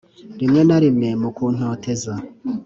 rimwe na rimwe, mu kuntoteza.